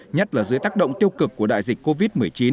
nhất là dưới tác động tiêu cực của đại dịch covid một mươi chín